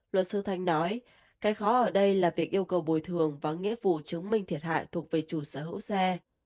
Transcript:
luật sư thanh nói cái khó ở đây là việc yêu cầu bồi thường và nghĩa vụ chứng minh thiệt hại thuộc về chủ sở hữu xe